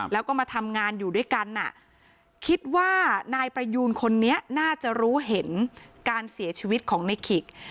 แล้วก็มาทำงานอยู่ด้วยกันอ่ะคิดว่านายประยูนคนนี้น่าจะรู้เห็นการเสียชีวิตของในขิก